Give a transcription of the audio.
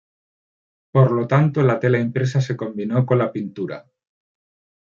Por lo tanto, la tela impresa se combinó con la pintura.